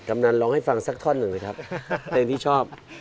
ำนันร้องให้ฟังสักท่อนหนึ่งนะครับเพลงที่ชอบ